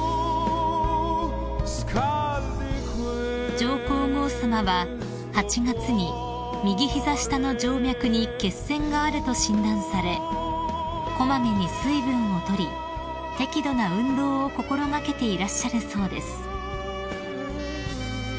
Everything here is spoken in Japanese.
［上皇后さまは８月に右膝下の静脈に血栓があると診断され小まめに水分を取り適度な運動を心掛けていらっしゃるそうです］